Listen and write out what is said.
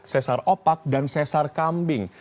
sesar opak dan sesar kambing